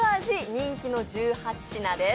人気の１８品です。